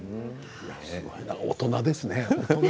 大人ですね。